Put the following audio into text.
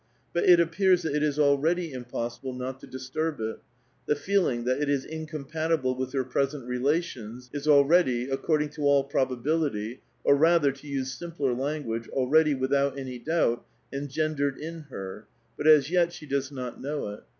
But it appears that it is already impossible not to disturb it. The feeling that is incompatible with her present relations is already, accord ing to all probability, or rather, to use simpler language, already, without any doubt, engendered in her, but as yet she does not know it.